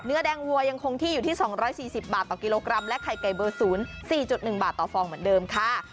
เนื้อแดงวัวยังคงที่อยู่ที่๒๔๐บาทต่อกิโลกรัมและไข่ไก่เบอร์๐๔๑บาทต่อฟองเหมือนเดิมค่ะ